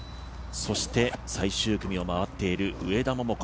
そして最終組を回っている上田桃子